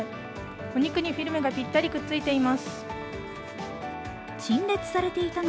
お肉にフィルムがぴったりくっついています。